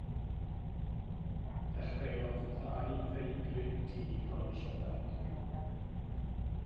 Dechreuodd ddau ddeigryn dig o'i llygaid.